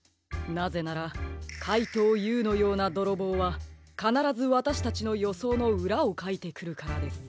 なぜならかいとうＵのようなどろぼうはかならずわたしたちのよそうのうらをかいてくるからです。